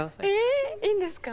えいいんですか？